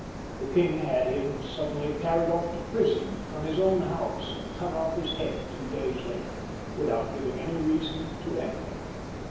The king had him suddenly XXVI.] yOHN (LE BON). 165 carried off to prison from his own house, and cut off his head two days later, without giving any reason to any one.